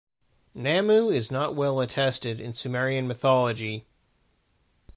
Nammu is not well attested in Sumerian mythology.